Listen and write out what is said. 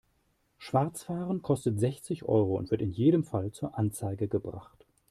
Schwarzfahren kostet sechzig Euro und wird in jedem Fall zur Anzeige gebracht.